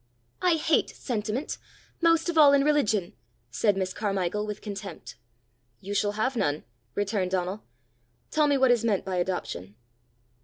"I hate sentiment most of all in religion!" said Miss Carmichael with contempt. "You shall have none," returned Donal. "Tell me what is meant by Adoption."